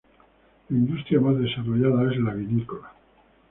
La industria más desarrollada es la vinícola.